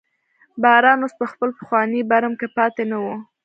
باران اوس په خپل پخواني برم کې پاتې نه و.